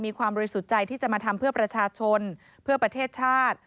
ความบริสุทธิ์ใจที่จะมาทำเพื่อประชาชนเพื่อประเทศชาติ